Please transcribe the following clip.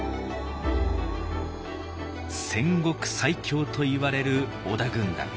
戦国最強といわれる織田軍団。